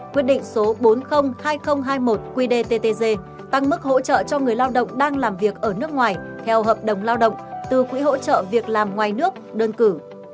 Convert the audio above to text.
quyết định số bốn trăm linh hai nghìn hai mươi một qdttg tăng mức hỗ trợ cho người lao động đang làm việc ở nước ngoài theo hợp đồng lao động từ quỹ hỗ trợ việc làm ngoài nước đơn cử